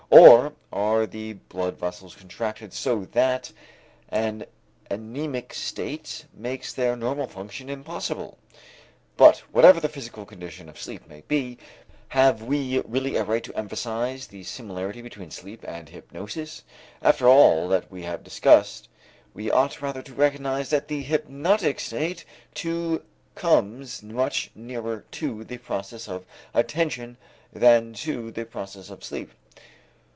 Or are the blood vessels contracted so that an anæmic state makes their normal function impossible? But whatever the physical condition of sleep may be, have we really a right to emphasize the similarity between sleep and hypnosis? After all that we have discussed, we ought rather to recognize that the hypnotic state too comes much nearer to the process of attention than to the process of sleep.